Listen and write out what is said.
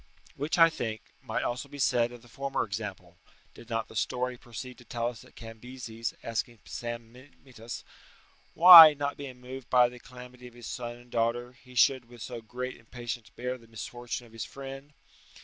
Which, I think, might also be said of the former example, did not the story proceed to tell us that Cambyses asking Psammenitus, "Why, not being moved at the calamity of his son and daughter, he should with so great impatience bear the misfortune of his friend?"